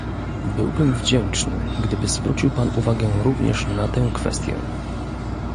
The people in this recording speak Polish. Byłbym wdzięczny, gdyby zwrócił Pan uwagę również na tę kwestię